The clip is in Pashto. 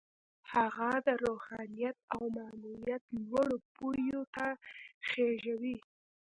هغه د روحانيت او معنويت لوړو پوړيو ته خېژوي.